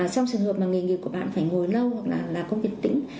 trong trường hợp nghề nghiệp của bạn phải ngồi lâu hoặc công việc tĩnh